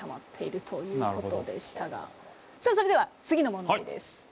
さあそれでは次の問題です。